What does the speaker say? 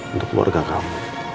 untuk keluarga kamu